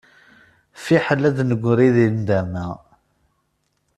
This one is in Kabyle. Fiḥel ad d-negri di nndama.